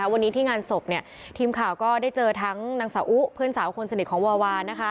วันนี้ที่งานศพทีมข่าวก็ได้เจอทั้งนางสาวอุเพื่อนสาวคนสนิทของวาวา